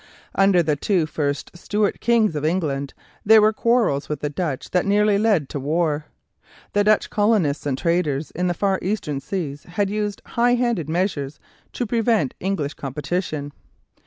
Under the two first Stuart Kings of England there were quarrels with the Dutch that nearly led to war. The Dutch colonists and traders in the Far Eastern seas had used high handed measures to prevent English competition.